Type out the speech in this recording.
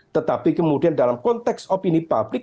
tetapi kemudian dalam konteks opini publik